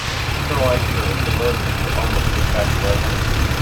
Sir Leicester is devoted to you almost to infatuation.